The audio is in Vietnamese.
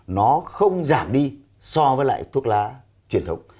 nó không giảm đi so với lại thuốc lá truyền thống